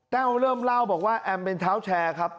เริ่มเล่าบอกว่าแอมเป็นเท้าแชร์ครับ